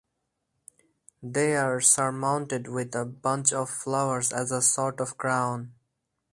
They are surmounted with a bunch of flowers as a sort of crown.